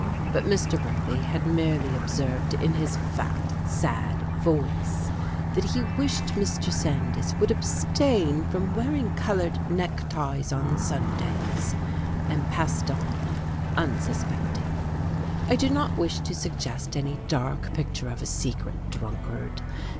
But Mr. Worthy had merely observed in his fat, sad voice that he wished Mr. Sandys would abstain from wearing colored neckties on Sundays, and passed on unsus pecting. I do not wish to suggest any dark picture of a secret drunkard.